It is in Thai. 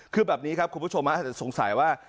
คือแบบนี้ครับคุณผู้ชมอาจจะสงสัยว่า